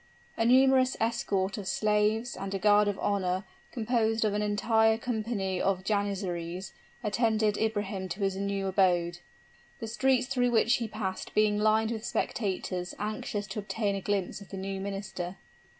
A numerous escort of slaves, and a guard of honor, composed of an entire company of Janizaries, attended Ibrahim to his new abode, the streets through which he passed being lined with spectators anxious to obtain a glimpse of the new minister.